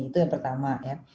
itu yang pertama ya